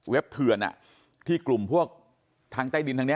เว็บเถือนอ่ะที่กลุ่มพวกทางใต้ดินทางนี้